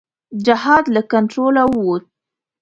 جهاد له کنټروله ووت.